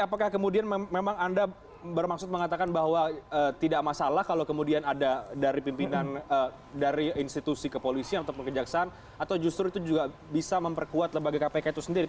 apakah kemudian memang anda bermaksud mengatakan bahwa tidak masalah kalau kemudian ada dari pimpinan dari institusi kepolisian atau kejaksaan atau justru itu juga bisa memperkuat lembaga kpk itu sendiri